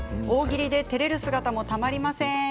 大喜利でてれる姿もたまりません。